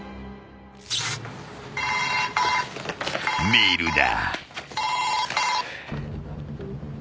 ［メールだ］